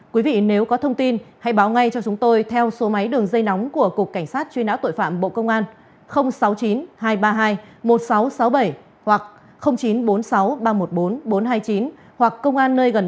quý vị nếu có thông tin hãy báo ngay cho chúng tôi theo số máy đường dây nóng của cục cảnh sát truy nã tội phạm bộ công an